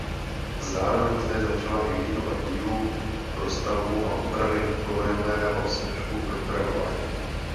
Zároveň zde začala i výroba dílů pro stavbu a opravy kolejového svršku pro tramvaje.